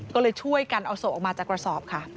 ก็เลยช่วยกันเอาศพออกมาจากกระสอบค่ะ